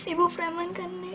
ibu preman kan nek